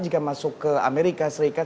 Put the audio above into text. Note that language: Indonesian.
jika masuk ke amerika serikat